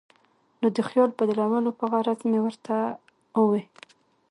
نو د خیال بدلولو پۀ غرض مې ورته اووې ـ